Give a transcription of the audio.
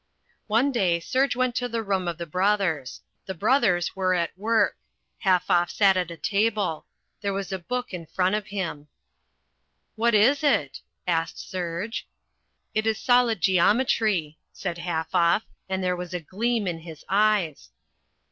One day Serge went to the room of the brothers. The brothers were at work. Halfoff sat at a table. There was a book in front of him. "What is it?" asked Serge. "It is solid geometry," said Halfoff, and there was a gleam in his eyes.